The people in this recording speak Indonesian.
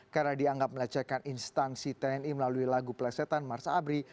karena dianggap melecehkan instansi tni melalui lagu pelesetan marsabri